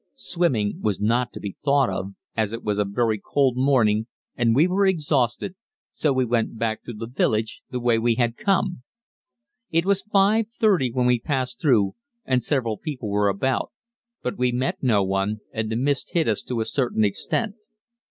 Swimming was not to be thought of, as it was a very cold morning and we were exhausted, so we went back through the village the way we had come. It was 5.30 when we passed through and several people were about, but we met no one, and the mist hid us to a certain extent.